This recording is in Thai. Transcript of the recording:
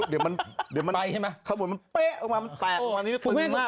เดี๋ยวมันเข้าบนมันเป๊ะออกมา